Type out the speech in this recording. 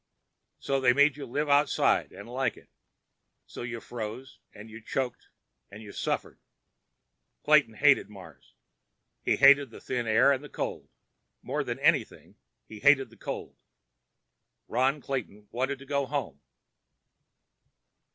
So they made you live outside and like it. So you froze and you choked and you suffered. Clayton hated Mars. He hated the thin air and the cold. More than anything, he hated the cold. Ron Clayton wanted to go home.